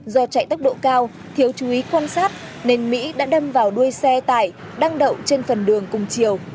do chạy tốc độ cao thiếu chú ý quan sát nên mỹ đã đâm vào đuôi xe tải đang đậu trên phần đường cùng chiều